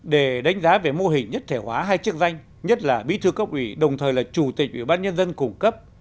để đánh giá về mô hình nhất thể hóa hai chức danh nhất là bí thư cấp ủy đồng thời là chủ tịch ủy ban nhân dân cung cấp